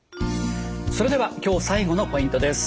それでは今日最後のポイントです。